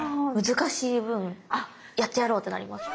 難しい分やってやろうってなります。